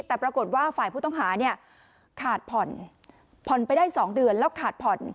แต่ปรากฏว่าฝ่ายผู้ต้องหาเนี่ยขาดผ่อนผ่อนไปได้๒เดือนแล้วขาดผ่อน